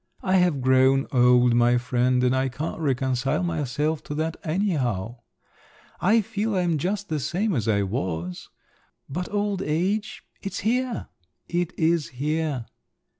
I have grown old, my friend, and I can't reconcile myself to that anyhow. I feel I'm just the same as I was … but old age—it's here! it is here!"